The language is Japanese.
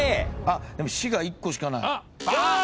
でも「し」が１個しかない。